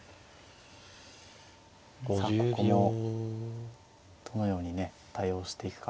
さあここもどのようにね対応していくか。